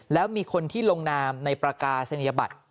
แล้วมีคนที่ลงนามในประกาศนียบัตร